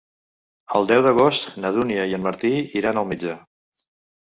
El deu d'agost na Dúnia i en Martí iran al metge.